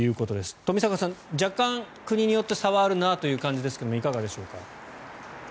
冨坂さん、若干、国によって差はあるなという感じですがいかがでしょうか？